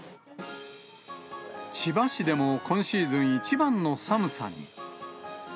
千葉市でも今シーズン一番の寒さに。